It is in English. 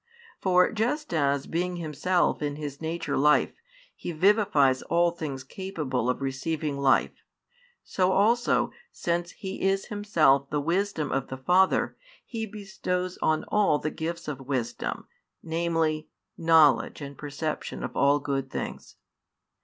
For just as, being Himself in His nature Life, He vivifies all things capable of receiving life; so also, since He is Himself the wisdom of the Father, He bestows on all the gifts of wisdom, namely, knowledge and perception of all good things.